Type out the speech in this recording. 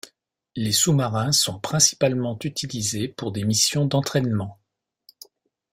Les sous-marins sont principalement utilisés pour des missions d'entraînement.